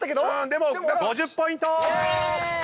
でも５０ポイント！